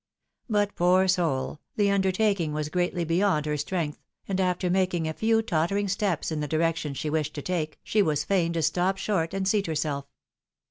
But, poor soul! the undertaking was greatly beyond her strength, and after making a few tottering steps in the direction she wished to take, she was fain to stop short, and seat herself.